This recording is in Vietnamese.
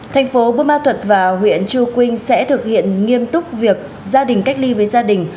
thành phố bô ma thuật và huyện chư quynh sẽ thực hiện nghiêm túc việc gia đình cách ly với gia đình